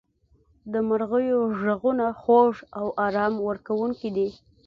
• د مرغیو ږغونه خوږ او آرام ورکوونکي دي.